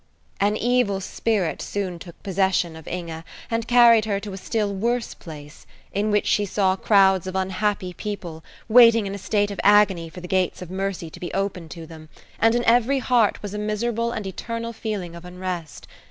An evil spirit soon took possession of Inge, and carried her to a still worse place, in which she saw crowds of unhappy people, waiting in a state of agony for the gates of mercy to be opened to them, and in every heart was a miserable and eternal feeling of unrest.